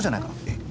えっ？